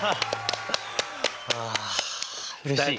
あうれしい！